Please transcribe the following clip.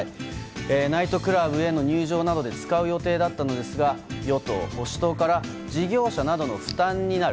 ナイトクラブへの入場などで使う予定だったんですが与党・保守党から事業者などの負担になる